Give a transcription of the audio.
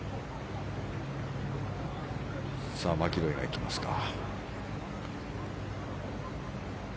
さあ、マキロイが行きますか。